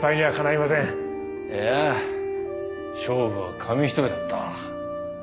いや勝負は紙一重だった。